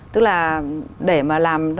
tức là để mà làm